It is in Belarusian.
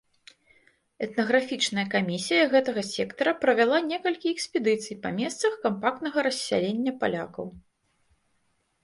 Этнаграфічная камісія гэтага сектара правяла некалькі экспедыцый па месцах кампактнага рассялення палякаў.